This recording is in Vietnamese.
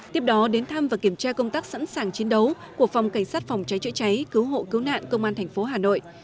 tiếp đó đến thăm và kiểm tra công tác sẵn sàng chiến đấu của phòng cảnh sát phòng cháy chữa cháy cứu hộ cứu nạn công an tp hà nội